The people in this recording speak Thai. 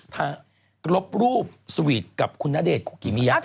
ถ้ารบรูปสวีทกับคุณณเดชกุกกิมิยักษ์ด้วย